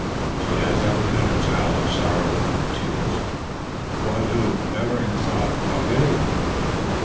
She has ever been a child of sorrow and of tears, one who never in thought wronged any one.